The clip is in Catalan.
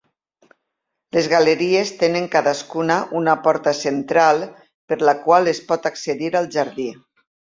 Les galeries tenen cadascuna una porta central per la qual es pot accedir al jardí.